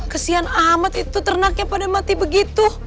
kesian amat itu ternaknya pada mati begitu